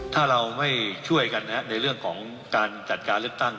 ถ้าเราไม่ช่วยกันในเรื่องของการจัดการเลือกตั้ง